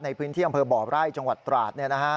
ในพื้นที่อำเภอบ่อไร่จังหวัดตราด